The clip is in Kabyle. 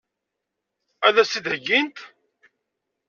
Ad as-t-id-heggint?